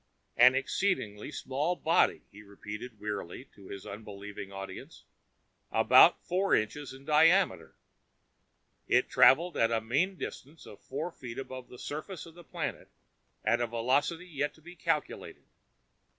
"... an exceedingly small body," he repeated wearily to his unbelieving audience, "about four inches in diameter. It travels at a mean distance of four feet above the surface of the planet, at a velocity yet to be calculated.